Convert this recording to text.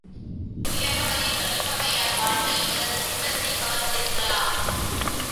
திலகவதி கலிப்பகையார் வாழ்வு இவரது சித்தத்தைக் கவர்ந்திருக்கலாம்.